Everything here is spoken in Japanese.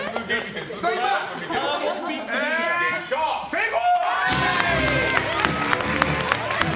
成功！